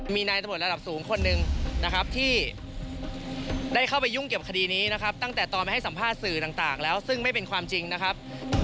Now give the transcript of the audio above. มีนายตำรวจระดับสูงคนหนึ่งนะครับที่ได้เข้าไปยุ่งเกี่ยวกับคดีนี้นะครับตั้งแต่ตอนไปให้สัมภาษณ์สื่อต่างแล้วซึ่งไม่เป็นความจริงนะครับ